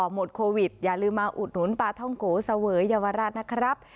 หมดโควิดอย่าลืมมาอุดหนุนปลาท่องโกเสวยเยาวราชนะครับ